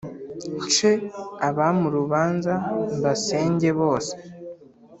Nce abami urubanza Mbasenge bose